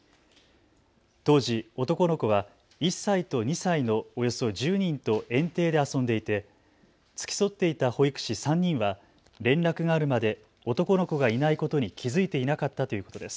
当時、男の子は１歳と２歳のおよそ１０人と園庭で遊んでいて付き添っていた保育士３人は連絡があるまで男の子がいないことに気付いていなかったということです。